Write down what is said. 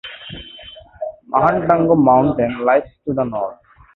Mahantango Mountain lies to the north.